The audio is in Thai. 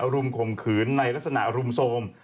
รุมข่มขืนในลักษณะรุมโทรม